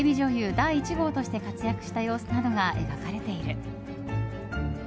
第１号として活躍した様子などが描かれている。